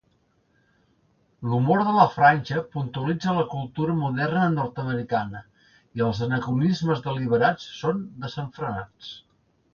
L'humor de la franja puntualitza la cultura moderna nord-americana, i els anacronismes deliberats són desenfrenats.